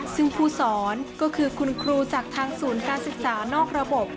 ซึ่งผู้สอนก็คือคุณครูจากทางศูนย์การศึกษานอกระบบ